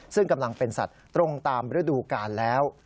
ซึ่งกำลังเป็นสัตว์ตรงตามฤดูกาลแล้ว